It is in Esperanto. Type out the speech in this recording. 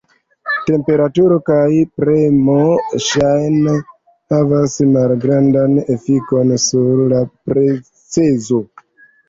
Temperaturo kaj premo ŝajne havas malgrandan efikon sur la procezo.